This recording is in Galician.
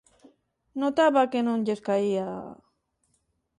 Notaba que non lles caía...